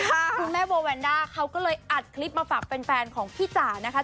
คุณแม่โบแวนด้าเขาก็เลยอัดคลิปมาฝากแฟนของพี่จ๋านะคะ